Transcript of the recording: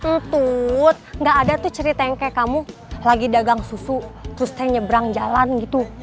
entut gak ada tuh cerita yang kayak kamu lagi dagang susu terus saya nyebrang jalan gitu